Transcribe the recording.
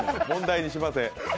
問題にしません。